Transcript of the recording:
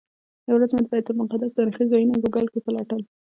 یوه ورځ مې د بیت المقدس تاریخي ځایونه ګوګل کې پلټل.